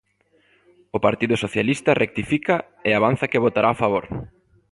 O Partido Socialista rectifica e avanza que votará a favor.